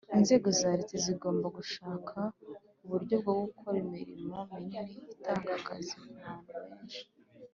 inzego za leta zigomba gushaka uburyo bwo gukora imirimo minini itanga akazi ku bantu benshi